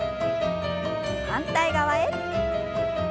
反対側へ。